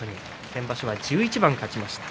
先場所は１１番勝ちました。